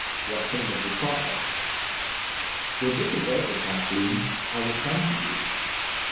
WHAT CAME OF THE TRIAL "When this is over, Kathleen, I will come to you."